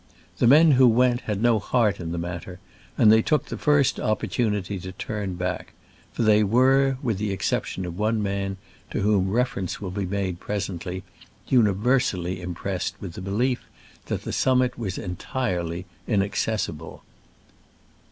The men who went had no heart in the matter, and took the first opportunity to turn back,* for they were, with the exception of one man — to whom reference will be made presently — uni versally impressed with the belief that , the summit was entirely inaccessible.